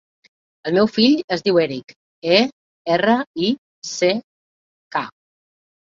El meu fill es diu Erick: e, erra, i, ce, ca.